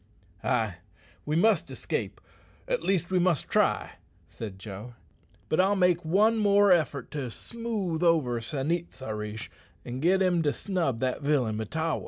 "Ay, we must escape at least we must try," said Joe. "But I'll make one more effort to smooth over San it sa rish, an' git him to snub that villain Mahtawa."